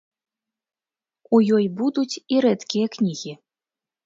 У ёй будуць і рэдкія кнігі.